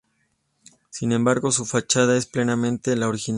Sin embargo, su fachada es plenamente la original.